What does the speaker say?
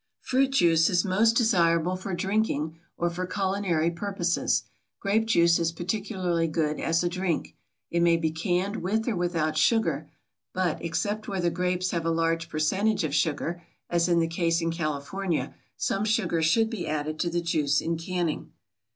Fruit juice is most desirable for drinking or for culinary purposes. Grape juice is particularly good as a drink. It may be canned with or without sugar but, except where the grapes have a large percentage of sugar, as is the case in California, some sugar should be added to the juice in canning.